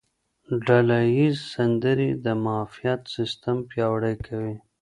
ډله ییزې سندرې د معافیت سیستم پیاوړی کوي.